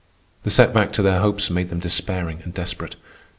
The set back to their hopes made them despairing and desperate.